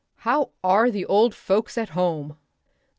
How are the old folks at home?"